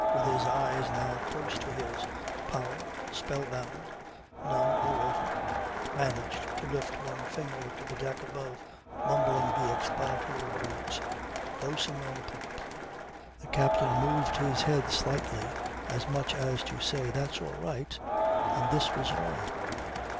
With his eyes now close to his, Powell, spell bound, numb all over, managed to lift one finger to the deck above mumbling the explanatory words, "Boatswain on the poop." The captain moved his head slightly as much as to say, "That's all right" and this was all.